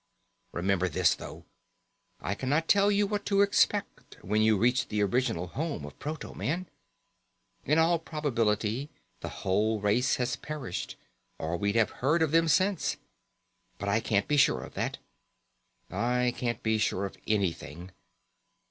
Remember this, though: I cannot tell you what to expect when you reach the original home of proto man. In all probability the whole race has perished, or we'd have heard of them since. But I can't be sure of that. I can't be sure of anything.